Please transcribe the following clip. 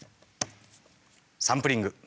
サンプリング。